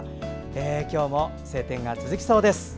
今日も晴天が続きそうです。